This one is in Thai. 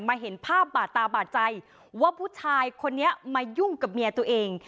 เห็นภาพบาดตาบาดใจว่าผู้ชายคนนี้มายุ่งกับเมียตัวเอง